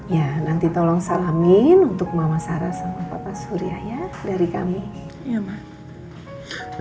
ya nanti tolong salamin untuk mama sarah sama papa surya ya dari kami